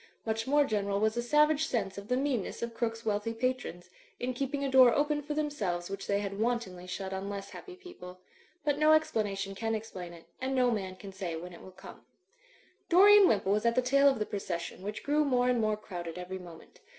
Much more general was a savage sense of the meanness of Crooke's wealthy patrons, in keeping a door open for themselves which they had wantonly shut on less happy people. But no explanation can explain it ; and no man can say when it will come. Dorian Wimpole was at the tail of the procession, which grew more and more crowded every moment.